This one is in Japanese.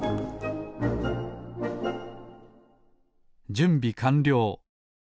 じゅんびかんりょう！